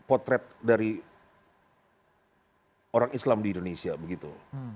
seolah olah itu adalah potret dari orang islam di indonesia begitu